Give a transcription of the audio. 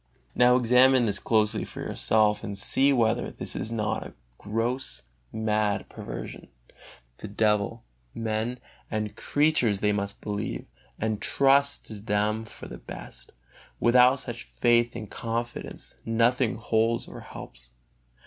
Now examine this closely for yourself and see whether this is not a gross, mad perversion: the devil, men and creatures they must believe, and trust to them for the best; without such faith and confidence nothing holds or helps.